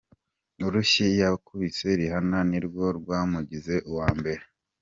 Urushyi yakubise Rihanna nirwo rwamugize uwa mbere.